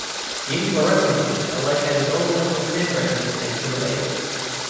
The inflorescences are located all along the stem branches next to the leaves.